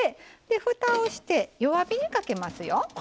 ふたをして弱火にかけますよ。